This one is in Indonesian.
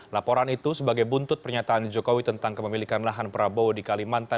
laporan itu sebagai buntut pernyataan jokowi tentang kepemilikan lahan prabowo di kalimantan